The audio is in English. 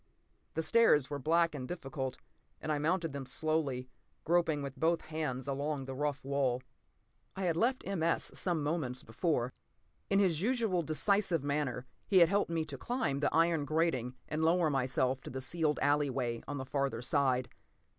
The stairs were black and difficult, and I mounted them slowly, groping with both hands along the rough wall. I had left M. S. some few moments before. In his usual decisive manner he had helped me to climb the iron grating and lower myself to the sealed alley way on the farther side.